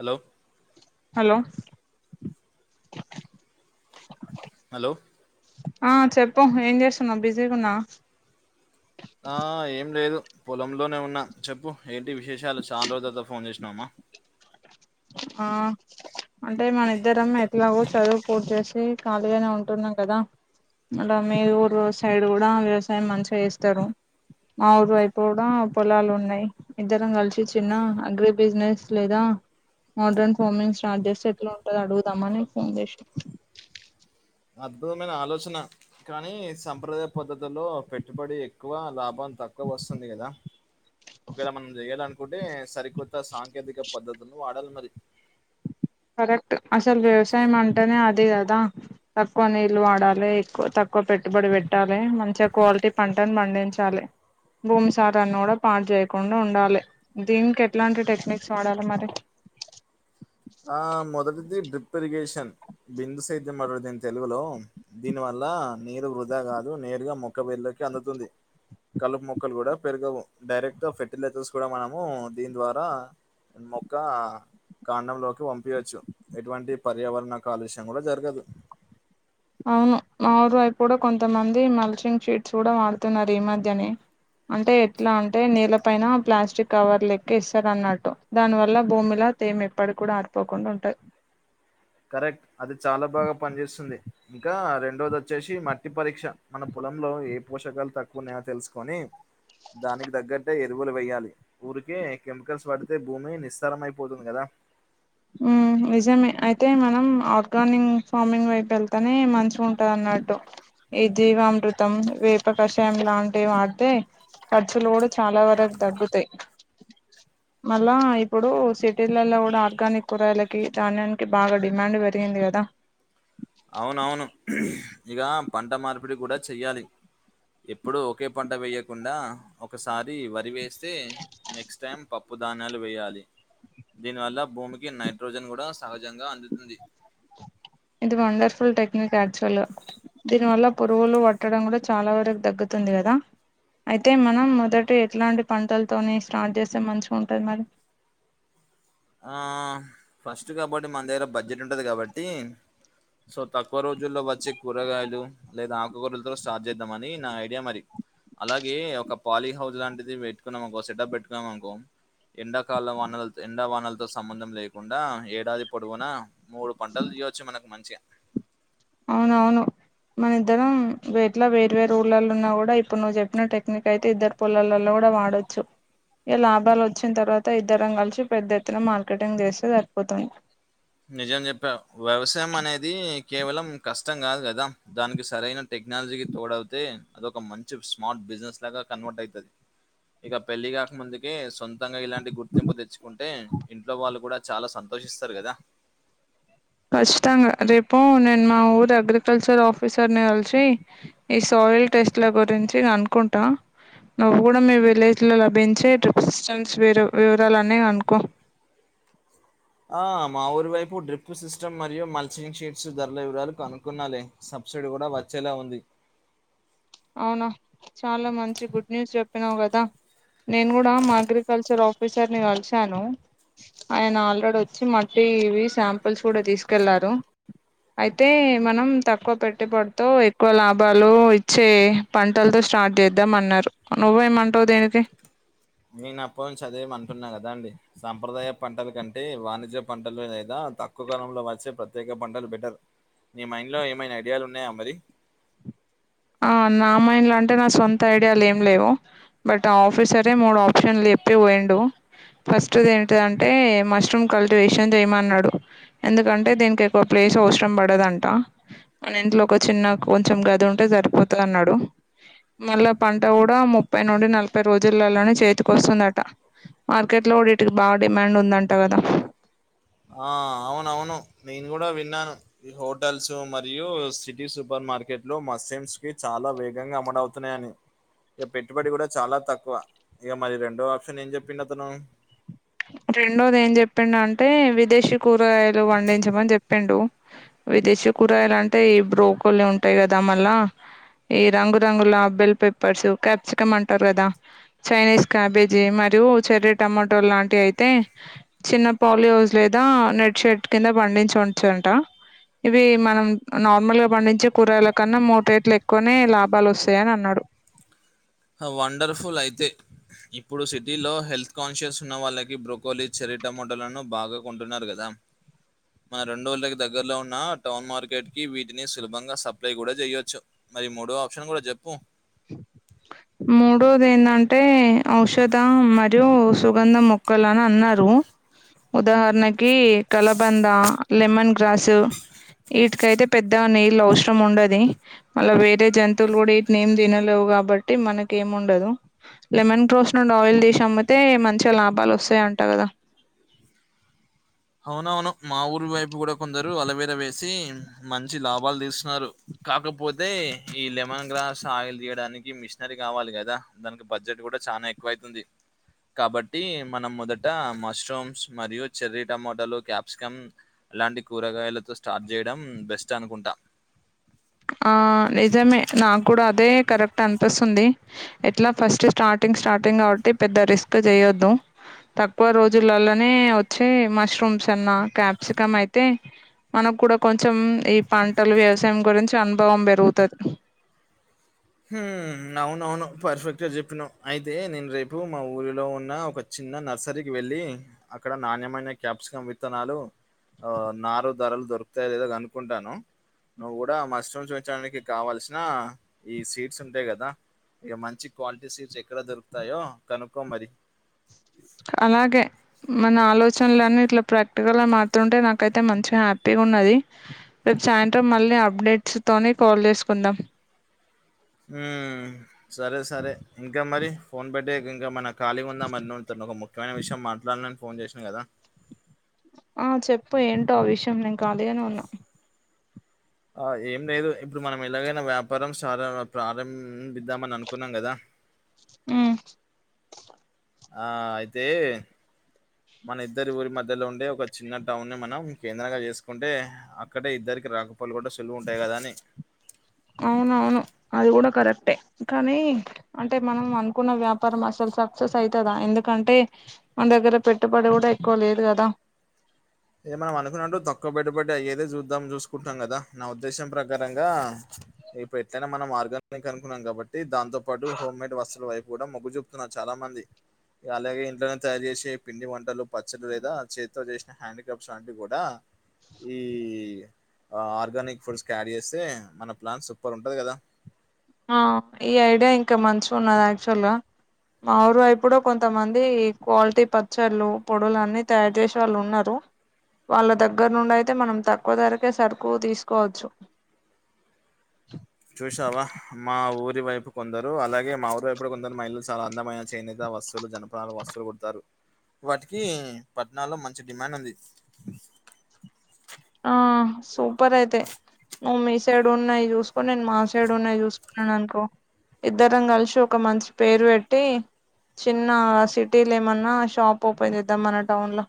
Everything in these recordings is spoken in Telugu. హలో హలో హలో ఆ చెప్పు ఏం చేస్తున్నావ్ బిజీగున్నా ఆ ఏం లేదు పొలంలోనే ఉన్న చెప్పు ఏంటి విశేషాలు చాన రోజుల తరువాత ఫోన్ చేసినామ్మా ఆ అంటే మన ఇద్దరం ఎట్లాగో చదువు పూర్ చేేసి ఖాళీగానే ఉంటున్నాం కదా అలా మీ ఊరు సైడ్ కూడా వ్యవసాయం మంచిగ చేస్తరు మా ఊరు అయిపోవడం పొలాలు ఉన్నాయి ఇద్దరం కలిసి చిన్న అగ్రి బిజినెస్ లేదా మోడ్రన్ ఫార్మింగ్ స్టార్ట్ చేస్తే ఎట్లా ఉంటది అడుగుదాంనే ఫోన్ చేషన్ అద్భుతమైన ఆలోచన కానీ సాంప్రదాయ పద్ధతుల్లో పెట్టుబడి ఎక్కువ లాభం తక్కువ వస్తుంది కదా ఒకవేళ మనం జేయ్యల అనుకుంటే సరికొత్త సాంకేతిక పద్ధతులను వాడాలి మరి కరెక్ట్ అసలు వ్యవసాయం అంటేనే అదే కదా తక్కువ నీళ్ళు వాడాలి ఎక్కువ తక్కువ పె కట్టుబడి పెట్టాలి మంచిగా క్వాలిటీ పంటను పండించాలి భూమి సారాన్ని గుడా పాడ్ చేయకుండ ఉండాలె. దీనికి ఎట్లాంటి టెక్నిక్స్ వాడాలి మరి ఆ మొదటిది డ్రిప్ ఇరిగేషన్ బిందు సేద్యం [unintelligible] దీన్ తెలుగులో దీని వల్లా నీరు వృధా గాదు నేరుగా మొక్క వేర్లకి అందుతుంది. కలుపు మొక్కలు గుడా పెరగవు. డైరెక్ట్ ఫర్టిలైజర్స్ కూడా మనము దీని ద్వారా మొక్కా కాండలోక్ పంపియచ్చు. ఎటువంటి పర్యావరణ కాలుష్యం కూడా జరగదు. అవును మా ఊర్ వైప్ కూడా కొంతమంది మల్షింగ్ షీట్స్ కూడా వాడుతున్నరు ఈ మధ్యనే అంటే ఎట్లా అంటే నేల పైన ప్లాస్టిక్ కవర్ లెక్కెస్తరన్నట్టు దాని వల్ల భూమిలో తేమ ఎప్పట్ కూడా ఆరిపోకుండా ఉంటయి. కరెక్ట్ అది చాలా బాగా పనిచేస్తుంది. ఇంకా రెండోది వచ్చేసి మట్టి పరీక్ష. మన పొలంలో ఏ పోషకాలు తక్కువున్నయా తెస్సుకొనీ దానికి దగ్గట్టే ఎరువులు వేయ్యాలి. ఊరికే కెమికల్స్ వాడితే భూమి నిస్సారం అయిపోతుంది కదా ఆ మ్ నిజమే అయితే మనం ఆర్గానిగ్ ఫార్మింగ్ వైపు ఎళ్తేనే మంచిగుంటదన్న నట్టు. ఈ జీవామృతం, వేప కషాయం లాంటివి వాడ్తే ఖర్చులు గుడ చాలా వరకు తగ్గుతయి. ఎ మళ్ళా ఇప్పుడూ సిటిలల్లో గుడా ఆర్గానిక్ కూరగాయలకి, ధాన్యానికి బాగా డిమాండ్ పెరిగింది గదా అవునవును. ఇగా పంట మార్పిడి కూడా చెయ్యాలి. ఎప్పుడూ ఒకే పంట వేయకుండా ఒకసారి వరి వేస్తే నెక్స్ట్ టైమ్ పప్ ప్పు ధాన్యాలు వేయాలి. దీనివల్ల భూమికి నైట్రోజన్ కూడా సహజంగా అందుతుంది. ఇది వండర్ఫుల్ టెక్నిక్ యాక్చువల్గ దీని వల్ల పురుగులు పట్టడం గుడా చాలా వరకు తగ్గుతుం తుంది గదా అయితే మనం మొదటి ఎట్లాంటి పంటల్తోని స్టార్ట్ చేస్తే మంచిగుంటది మరి ఆ బబ్జెట్ ఉంటది కాబట్టీ సో తక్కువ రోజుల్లో వచ్చే కూరగాయలు లేదా ఆకుకూరలతో స్టార్ట్ చేద్దామనీ నా ఐడియా మరి. అలాగే ఒక పాలీ హౌస్ లాంటిది పెట్టుకున్నాం అనుకో సెటప్ పెట్టుకున్నాం అనుకో ఎంండకాలం అన్నా [unintelligible] ఎండ, వానల్తో సంబంధం లేకుండా ఏడాది పొడవున మూడు పంటల్ తీయొచ్చు మనకు మంచిగ అవునవును. మన ఇద్దరం వే ఎట్లా వేర్ వేర్ ఊళ్ళల్లో ఉన్నా గూడా ఇప్పుడు నువ్వు చెప్పిన టెక్నిక్ అయితే ఇద్దర్ పొలాలల్లో కుడ వాడచ్చు. ఇగ లాభాల్ వచ్చిన్ తర్వాత ఇద్దరం కల్సి పెద్ద ఎత్తున మార్కెటింగ్ చేస్తే సరిపోతది. నిజం చెప్పావ్ వ్యవసాయం అనేది కేవలం కష్టం కాదు కదా దానికి సరైన టెక్ క్నాలజీకి తోడవుతే అదొక మంచి సస్మార్ట్ బిజినెస్ లాగా కన్వర్ట్ అయితది. ఇగ పెళ్ళగాక ముందుకే సొం తంగ ఇలాంటి గుర్తింపు తెచ్చుకుంటే ఇంట్లో వాళ్ళు కూడా చాలా సంతోషిస్తారు కదా కచ్చితంగ రేపూ నేన్ మా ఊర్ అగ్రికల్చర్ ఆఫీసర్ని కల్సి ఈ సాయిల్ టెస్ట్ల గురించి కనుక్కుంట. ఆ నువ్వు గుడా మీ విలేజ్లో లభించే ట్రిప్ సిస్టమ్స్ వి వివరాలన్ని కనుకో ఎ ఆ మా ఊరి వైపు డ్రిప్ సిస్టమ్ మరియు మల్సింగ్ షీట్స్ ధరల వివరాలు కనుకున్నాలి సబ్సిడి కూడా వచ్చేలా ఉంది అవునా చాలా మంచి గుడ్ న్యూస్ చెప్పినావు కదా నేను కూడా మా అగ్రికల్చర్ ఆఫీసర్ ని కలిసాను ఆయన ఆల్రెడీ వచ్చి మట్టి ఇవి శాంపుల్స్ కూడా తీసుకెళ్లారు అయితే మనం తక్కువ పెట్టుబడితో ఎక్కువ లాభాలు చే పంటలతో స్టార్ట్ చేద్దాం అన్నారు నువ్వే ఏమంటావు దేనికి నేనుప్ప చది అంటున్నా కదా అండి సాంప్రదాయ పంటల కంటే వాణిజ్య పంటలు లేదా తక్కువ కాలంలో వచ్చే ప్రత్యేక పంటలు బెటర్ నీ మైండ్ లో ఏమైనా ఐడియాలు ఉన్నాయా మరి ఆ ఆ నామాయిన్ల అంటే నా సొంత ఐడియాలు ఏం లేవు బట్ ఆ ఆఫీసరే మూడు ఆప్షన్లు చెప్పి పోయిండు ఫస్ట్ ది ఏంటంటే మష్రూమ్ కల్టివేషన్ చేయమన్నాడు ఎందుకంటే దీనికి ఎక్కువ పలే అవసరం పడదంట ఇంట్లో ఒక చిన్న కొంచెం గది ఉంటే జరి పోతన అన్నాడు మళ్ళా పంట కూడా ముప్పై నుండి నలభై రోజులల్లోనే చేతికి వస్తుందంట మార్కెట్లో లోడిటికి బా డిమాండ్ ఉందంట కదా ఎ ఆ అవునవును నేను కూడా విన్నాను హోటల్స్ మరియు సిటీ సూపర్ మార్కెట్ లో మసమ్స్ కి చాలా వేగంగా అమ్ముడ అవుతున్నాయని ఇగ పెట్టుబడి కూడా చాలా తక్కువ ఇగ మరి రెండో ఆప్షన్ ఏం చెప్పింది అతను రెండోది ఏం చెప్పిండు అంటే విదేశీ కూరగాయలు పండించమని చెప్పిండు విదేశీ కూరగాయలు అంటే బ్రోకలే ఉంటాయి కదా మళ్ళా ఈ రంగురంగుల బెల్ పప్పర్స్ క్యాప్సికం అంటారు కదా చైనీస్ క్యాబేజీ మరియు చెర్రీ టమాటో లాంటి అయితే చిన్న పోలియోస్ లేదా నెట్ షెట్ కింద పండించ ఉచ్చుంట ఇవి మనం నార్మల్ గా పండించే కూరగాయల కన్నా మూట రేట్లు ఎక్కువనే లాభాలు వస్తాయని అన్నాడు వండర్ఫుల్ అయితే ఇప్పుడు సిటీలో హెల్త్ కాన్షియస్ ఉన్న వాళ్ళకి బ్రోకోలిస్ చెర్రీ టమొటలను బాగా కొంటున్నారు కదా ఎ మన రెండడు ఊళ్ళకి దగ్గరలో ఉన్న టౌన్ మార్కెట్ కి వీటిని సులభంగా సప్లై కూడా జేయొచ్చు మరి మూడో ఆప్షన్ కూడా చెప్పు మూడోది ఏందంటే ఔషధ మరియు సుగంధ మొక్కలు అని అన్నారు ఉదాహరణకి కలబంద లెమన్ గ్రాసు వీటికైతే పెద్ద నీళ్ళ అవసరం ఉండది మళ్ళా వేరే జంతువులు కూడా వటి నేమ్ తినలేవు కాబట్టి మనకి ఏం ఉండదు లెమన్ క్రోస్ నుండి ఆయిల్ తీసి అమ్మితే మంచిగ లాభం లాభాలు వస్తాయి అంట కదా ఎ అవునవును మా ఊరి వైపు కూడా కొందరు అలవేరా వేసి మంచి లాభాలు తీస్తున్నారు కాకపోతే ఈ లెమన్ గ్రాస్ ఆయిల్ తీయడానికి మిషనరీ కావాలి కదా దానికి బడ్జెట్ కూడా చాలా ఎక్కువ అయితుంది కాబట్టి మనం మొదట మష్రూమ్స్ మరియు చెర్రీ టమోటలు క్యాప్సికం అలాంటి కూరగాయలతో స్టార్ట్ జేయడం బెస్ట్ అనుకుంటా ఎ ఆ నిజమే నాకు కూడా అదే కరెక్ట్ అనిపిస్తుంది ఎట్లా ఫస్ట్ స్టార్టింగ్ ఇంక స్టార్టింగ్ కాబట్టి పెద్ద రిస్క్ చేయొద్దు. తక్కువ రోజులలోనే వచ్చే మష్రూమ్స్ అన్నా, క్యాప్సికమ్ అయితే మనకు కూడా కొంచెం ఈ పంటలు వ్యవసాయం గురించి అనుభవం పెరుగుతది. మ్ అవునవును పర్ఫెక్ట్ గా చెప్పినావ్ అయితే నేను రేపు మా ఊరిలో ఉన్న ఒక చిన్న నర్సరీకి వెళ్ళి అక్కడ నాణ్యమైన క్యాప్సికం విత్తనాలు ఆ నారు ధరలు దొరుకుతాయి లేదో కనుకుంటాను. నువ్వు కూడా మష్రూమ్స్ పెంచడానికి కావల్సిన ఈ స్వీడ్స్ ఉంటాయి కదా ఇక మంచి క్వాలిటీ సీట్స్ ఎక్కడ దొరుకుతాయో కనుక్కో మరి అలాగే మన ఆలోచనలన్న ఇట్లా ప్రాక్టికల్గా మారుతుంటే నాకైతే మంచిగా హ్యాపీగా ఉన్నది. సాయంత్రం మళ్ళీ అప్డేట్స్ తోని కాల్ చేసుకుందాం. ఉ సరే సరే ఇంకా మరి ఫోన్ బట్టటి ఇంకా మనకు ఖాళగా ఉందా మరి న తను ఒక ముఖ్యమైన విషయం మాట్లాడని ఫోన్ చేసాను కదా ఆ చెప్పు ఏంటో ఆ విషయం నేను కాలీగానే ఉన్నా ఆ ఏం లేదు ఇప్పుడు మనం ఎలాగైనా వ్యాపారం స ప్రారంభిద్దామని అనుకున్నాం కదా ఆ ఆ అయితే మన ఇద్దరి ఊరి మధ్యలో ఉండే ఒక చిన్న టౌన్ ని మనం కేంద్రంగా చేసుకుంటే అక్కడే ఇద్దరికి రాక అవును అవును అది కూడా కూడా కరెక్టే కానీ అంటే మనం అనుకున్న వ్యాపారం అసలు సక్సెస్ అయితదా ఎందుకంటే మన దగ్గర పెట్టుబడి కూడా ఎక్కువ లేదు కదా ఏ మనున్నంట దక్క్క పెట్ట ఇటుబట్టి అదే చూద్దాం చూసుకుంటాం కదా నా ఉద్దేశం ప్రకారంగా ఇప్పు ఎట్లైనా మన మార్గం ని కనుకున్నాం కాబట్టి దాంతోపాటు హోమ్మేడ్ వస్తువుల వైపు కూడా మొగ్గు చూపుతున్నారు చాలా మంది అలాగే ఇంట్నే తయారు చేసే పిండి వంటలు పచ్చలు లేదా చేతితో చేసిన హ్యాండ్ ఏం సాని ఈ ఆర్గానిక్ ఫుడ్స్ క్యారీ చేస్తే మన ప్లాన్ సూపర్ ఉంటది కదా ఆ ఈ ఐడియా ఇంకా మంచిగా ఉన్నది యాక్చువల్ గా మా ఊరు అయిప్పుడు కొంతమంది క్వాలిటీ పచ్చళ్ళు పొడలు అన్ని తయారు చేసే వాళ్ళు ఉన్నారు. వాళ్ళ దగ్గర నుండి అయితే మనం తక్కువ ధరకే సరుకు తీసుకోవచ్చు. చూసావా మా ఊరి వైపు కొందరు అలాగే మా ఊరి వైపు కొందరు మహిళలు చాలా అందమైన చేనిత వస్ జనపణాలాలు వస్తువులు కొడతారు. వాటికి పట్నాలో మంచి డిమాండ్ ఉంది. ఆ సూపర్ అయితే నువ్వు మీ సైడ్ ఉన్నాయి చూసుకో నేను మా సైడ్ ఉన్నాయి చూసుకున్నాను అనుకో ఇద్దరం కలిసి ఒక మంచి పేరు పెట్టి చిన్న సిటీలు ఏమన్నా షాప్ ఓపెన్ చేద్దాం మన టౌన్ లో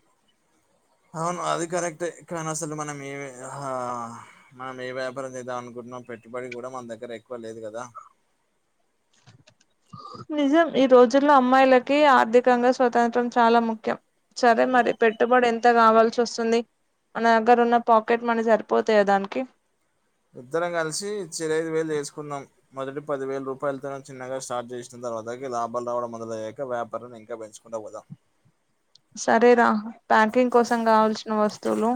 అవును అది కరెక్ట్ కానీ అసలు మనం ఏ ఆహా మనం ఏ వ్యాపారం చేద్దాం అనుకుంటు మ పెట్టుబడి కూడా మన దగ్గర ఎక్కువ లేదు కదా. నిజం ఈ రోజుల్లో అమ్మాయిలకి ఆర్థికంగా స్వతంత్రం చాలా ముఖ్యం. సరే మరి పెట్టుబడి ఎంత కావాల్ వస్తుంది మన దగ్గర ఉన్న పాకెట్ మనీ సరిపోతాయ దానికి ఇద్దరం కలిసి చిరైదు వేలు వేసుకున్నాం మొదటి పది వేలు రూపాయలతోన చిన్నగా స్టార్ట్ చేసినం తర్వాత లాభాలు రావడం మొదలయ్యాక వ్యాపారాన్ని ఇంకా పెంచుకుంట పోదాం సరేరా ప్యాకింగ్ కోసం కావాల్సిన వస్తువులు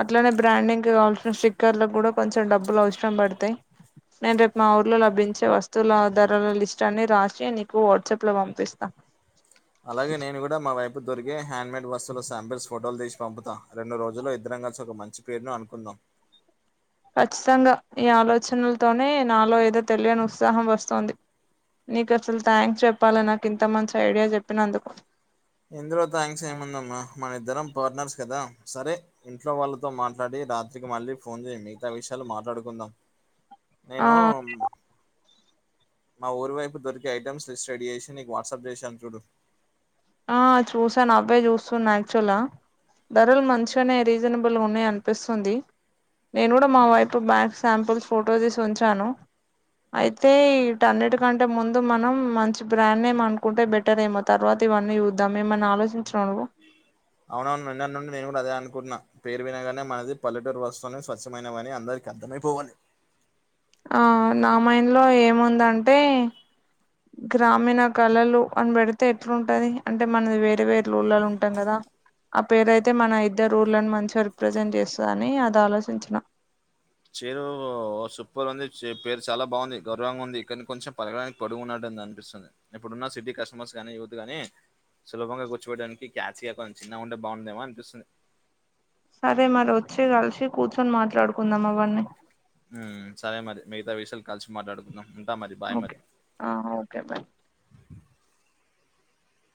అట్లనే బ్రాండింగ్కి కావాల్సిన స్టిక్కర్లకు కూడా కొంచెం డబ్బులు అవసరం పడతాయి నేను రేపు మా ఊర్లో లభించే వస్తువుల ఆధారాల లిస్ట్ అన్ని రాసి నీకు వాట్సాప్లో పంపిస్తాను అలాగే నేను కూడా మా వైప్ దొరికే హ్యాండ్ మేడ్ వస్తువుల శాంపిల్స్ ఫోటోలు తీసి పంపుతా రెండు రోజుల్లో ఇద్దరం కలిసి ఒక మంచి పేరును అనుకుందాం ఖచ్చితంగా ఈ ఆలోచనలతోనే నాలో ఏదో తెలియని ఉత్సాహం వస్తోంది నీకసలు థ్యాంక్స్ చెప్పాలి నాకు ఇంత మంచి ఐడియా చెప్పినందుకు ఇందులో థాంక్స్ ఏముందమ్మా మనిద్దరం పార్టనర్స్ కదా సరే ఇంట్లో వాళ్ళతో మాట్లాడి రాత్రికి మళ్ళీ ఫోన్ చేయ మిగతా విషయాలు మాట్లాడుకుందాం ఆ నేను మా ఊరి వైపు దొరికే ఐటమ్స్ లిస్ట్ రెడీ చేసి నీకు వాట్సాప్ చేశాను చూడు ఆ చూసాను అవ్వే చూస్తున్నా యాక్చువల్గా ధరలు మంచిగనే రీజనబుల్గున్నాయి అనిపిస్తుంది నేను కూడా మా వైపు బ్యాంక్ శాంపుల్స్ ఫోటో తీసి ఉంచాను అయితే ఈటన్నిటికంటే ముందు మనం మంచి బ్రాండ్ నేమ్ అనుకుంటే బెటర్ ఏమో తర్వాత ఇవన్నీ జూద్దాం ఏమన్నా ఆలోచించన్నావా నువ్వు అవునవును నిన్నటి నుండి నేను కూడా అదే అనుకున్నా పేరు వినగానే మనది పల్లెటూరు వస్తువుని స్వచ్ఛమైనవని అందరికి అద్దమై పోవాలి ఆ నా మైండ్లో ఏముందంటే గ్రామీణ కళలు అనిబెడితే ఎట్లుంటది అంటే మనది వేరే వేరే ఊళ్ళలు ఉంటాం కదా ఆ పేరయితే మన ఇద్దరూళ్ళను మంచిగా రిప్రజెంట్ చేస్తదని అది ఆలోచించిన చెరో సూపర్ ఉంది పేరు చాలా బాగుంది గర్వంగుంది కానీ కొంచెం పలకడానికి పొడుగు ఉన్నాడ ననిపిస్తుంది ఇప్పుడున్న సిటి కస్టమర్స్ గానీ యూత్ గాని సులభంగా కూర్చోబవడానికి క్యాచ్గా కొంచెం చిన్నగా ఉంటే బావుండేమో అనిపిస్తుంది సరే మరి వచ్చేయ్ కలిసి కూర్చొని మాట్లాడుకుందాం అవన్నీ మ్ సరే మరి మిగతా విషయాలు కలిసి మాట్లాడుకుందాం ఉంటా మరి బాయ్ మరి ఓకే ఆ ఓకే బాయ్